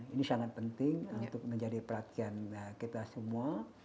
ini sangat penting untuk menjadi perhatian kita semua